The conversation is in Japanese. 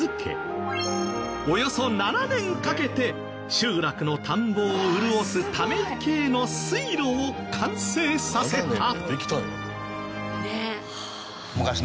およそ７年かけて集落の田んぼを潤すため池への水路を完成させた。